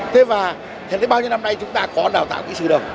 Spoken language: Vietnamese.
thế và thật ra bao nhiêu năm nay chúng ta có đào tạo kỹ sư đâu